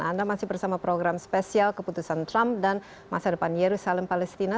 anda masih bersama program spesial keputusan trump dan masa depan yerusalem palestina